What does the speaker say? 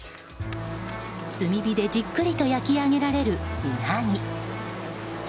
炭火でじっくりと焼き上げられるウナギ。